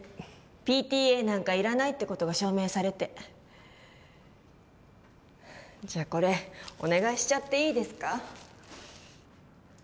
ＰＴＡなんかいらないってことが証明されてじゃこれお願いしちゃっていいですか？